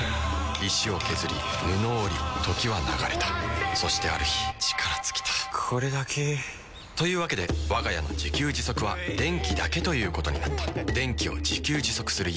石を削り布を織り時は流れたそしてある日力尽きたこれだけ。というわけでわが家の自給自足は電気だけということになった電気を自給自足する家。